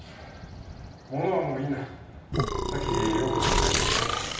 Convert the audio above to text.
物はもういいんださっき陽子さんと約束したんだ